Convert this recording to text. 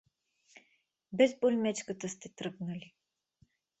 — Без Боримечката сте тръгнали!